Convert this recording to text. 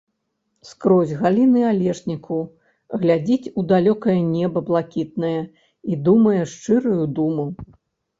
Скрозь галіны алешніку глядзіць у далёкае неба блакітнае і думае шчырую думу.